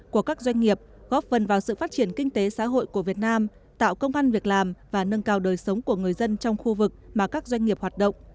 của các doanh nghiệp góp phần vào sự phát triển kinh tế xã hội của việt nam tạo công an việc làm và nâng cao đời sống của người dân trong khu vực mà các doanh nghiệp hoạt động